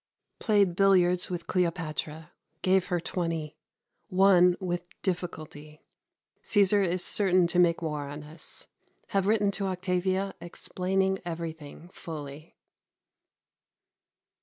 Played billiards with Cleopatra. Gave her 20. Won with difficulty. Cæsar is certain to make war on us. Have written to Octavia explaining everything fully.